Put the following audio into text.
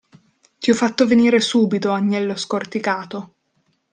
Ti ho fatto venire subito, agnello scorticato!